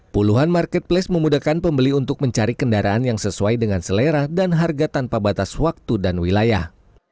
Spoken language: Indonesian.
puluhan marketplace memudahkan pembeli untuk mencari kendaraan yang sesuai dengan selera dan harga tanpa batas waktu dan wilayah